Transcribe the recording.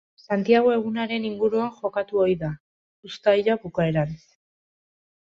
Santiago egunaren inguruan jokatu ohi da, uztaila bukaeran.